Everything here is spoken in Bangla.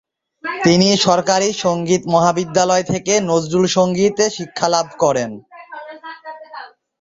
তিনি সরকারি সঙ্গীত মহাবিদ্যালয় থেকে নজরুল সংগীতে শিক্ষা লাভ করেন।